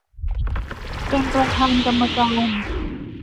เป็นประธานกรรมการ